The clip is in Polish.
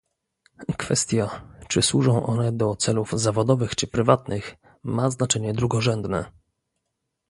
Kwestia, czy służą one do celów zawodowych czy prywatnych, ma znaczenie drugorzędne